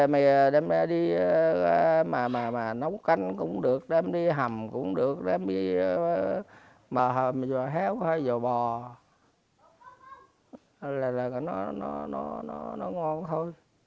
mày đem ra đi mà nấu canh cũng được đem đi hầm cũng được đem đi heo hay giò bò là nó ngon thôi